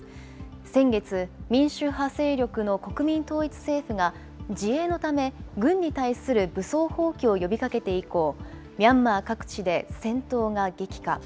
先月、民主派勢力の国民統一政府が、自衛のため、軍に対する武装蜂起を呼びかけて以降、ミャンマー各地で戦闘が激化。